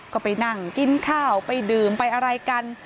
ก็ไปนั่งกินข้าวไปดื่มไปอะไรกัน